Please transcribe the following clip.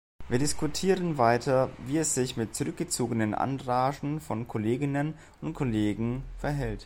Wir diskutieren weiter, wie es sich mit zurückgezogenen Anragen von Kolleginnen und Kollegen verhält.